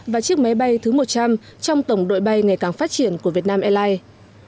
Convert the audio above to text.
và chiếc máy bay thứ một trăm linh trong tổng đội bay ngày càng phát triển của việt nam airlines